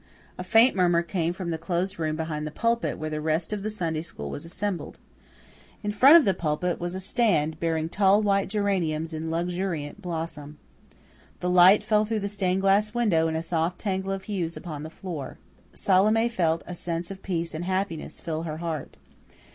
A faint murmur came from the closed room behind the pulpit where the rest of the Sunday school was assembled. In front of the pulpit was a stand bearing tall white geraniums in luxuriant blossom. The light fell through the stained glass window in a soft tangle of hues upon the floor. Salome felt a sense of peace and happiness fill her heart.